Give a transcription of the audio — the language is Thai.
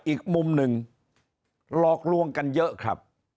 อีกมุมหนึ่งหลอกลวงกันเยอะครับ